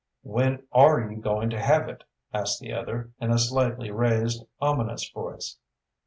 "When are you going to have it?" asked the other, in a slightly raised, ominous voice.